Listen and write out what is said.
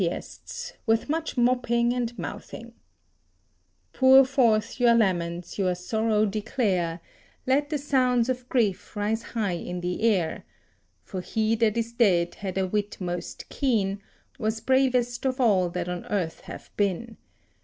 For they were chanting his dirge in anapaests, with much mopping and mouthing: "Pour forth your laments, your sorrow declare, Let the sounds of grief rise high in the air: For he that is dead had a wit most keen, Was bravest of all that on earth have been.